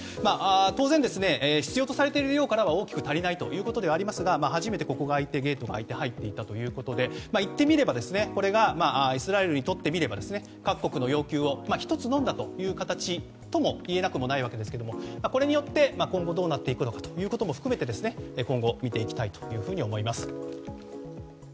当然、必要とされている量からは大きく足りないということではありますが初めてゲートが開いて入ったということでいってみれば、これがイスラエルにとってみれば各国の要求を１つのんだという形ともいえなくもないわけですが今後どうなっていくかも含めて見ていきたいと思います。